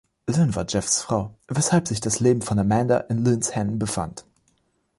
Lynn war Jeffs Frau, weshalb sich das Leben von Amanda in Lynns Händen befand.